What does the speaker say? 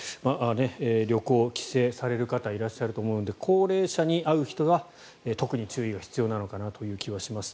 旅行、帰省される方いらっしゃると思うので高齢者に会う人は特に注意が必要なのかなという気がします。